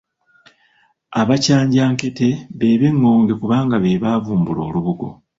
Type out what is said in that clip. Abakyanjankete be b’Eŋŋonge kubanga be baavumbula olubugo.